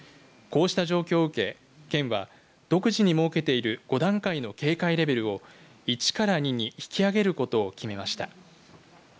こうした状況を受け県は独自に設けている５段階の警戒レベルを１から２に引き上げることを決めました。